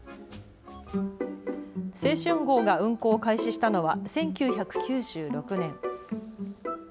青春号が運行を開始したのは１９９６年。